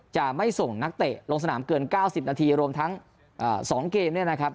จะไม่ส่งนักเตะลงสนามเกิน๙๐นาทีรวมทั้งสองเกม